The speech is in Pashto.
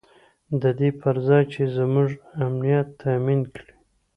د دې پر ځای چې زموږ امنیت تامین کړي.